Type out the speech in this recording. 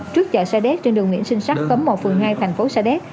trước chợ sa đéc trên đường nguyễn sinh sắc cấm một phường hai thành phố sa đéc